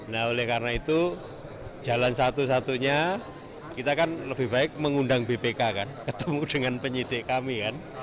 nah oleh karena itu jalan satu satunya kita kan lebih baik mengundang bpk kan ketemu dengan penyidik kami kan